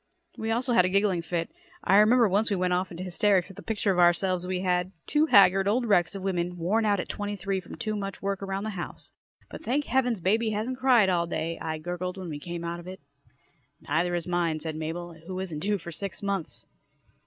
We also had a giggling fit. I remember once we went off into hysterics at the picture of ourselves we had two haggard old wrecks of women, worn out at twenty three from too much work around the house. "But thank Heavens baby hasn't cried all day!" I gurgled when we came out of it. "Neither has mine," said Mabel, who isn't due for six months.